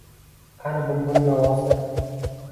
Qani bulbul navosi?»